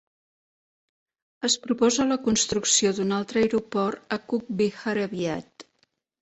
Es proposa la construcció d'un altre aeroport a Cooch Behar aviat.